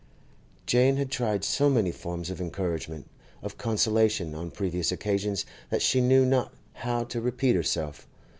Jane had tried so many forms of encouragement, of consolation, on previous occasions that she knew not how to repeat herself.